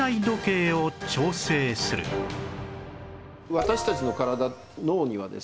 私たちの体脳にはですね